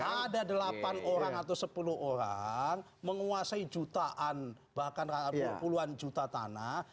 ada delapan orang atau sepuluh orang menguasai jutaan bahkan puluhan juta tanah